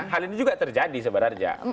hal ini juga terjadi sebenarnya